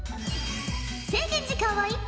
制限時間は１分。